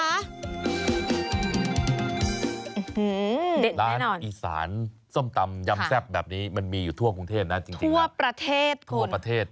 ร้านอีสานส้มตำยำแซ่บแบบนี้มันมีอยู่ทั่วกรุงเทพนะจริงทั่วประเทศทั่วประเทศ